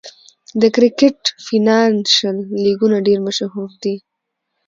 د کرکټ فینانشل لیګونه ډېر مشهور دي.